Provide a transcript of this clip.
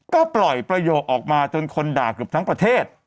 ก็ปล่อยประโยคออกมาจนคนด่าเกือบทั้งประเทศ